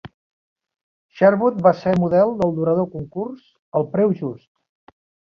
Sherwood va ser model del durador concurs "El preu just".